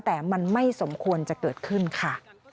แต่มันไม่สมควรจะเกิดขึ้นค่ะ